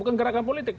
bukan gerakan politik